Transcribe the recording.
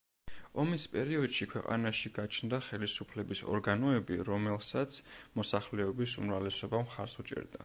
ომის პერიოდში ქვეყანაში გაჩნდა ხელისუფლების ორგანოები, რომელსაც მოსახლეობის უმრავლესობა მხარს უჭერდა.